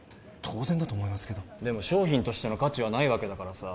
当然だと思いますけどでも商品としての価値はないわけだからさ